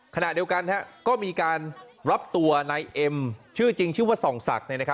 ขณะเดียวกันก็มีการรับตัวนายเอ็มชื่อจริงชื่อว่าส่องศักดิ์